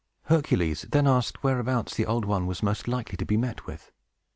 Hercules then asked whereabouts the Old One was most likely to be met with.